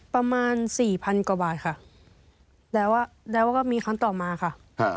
ประมาณสี่พันกว่าบาทค่ะแล้วแล้วก็มีครั้งต่อมาค่ะ